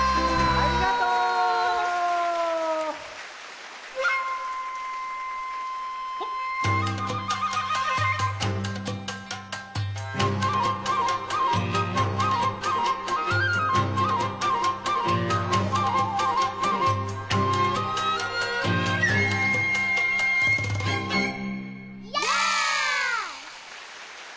ありがとう！ヤー！